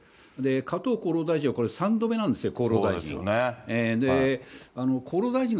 加藤厚労大臣はこれ、３度目なんですよ、厚労大臣。